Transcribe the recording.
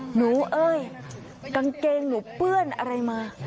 เอ้ยกางเกงหนูเปื้อนอะไรมา